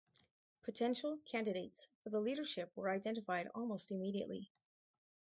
Potential candidates for the leadership were identified almost immediately.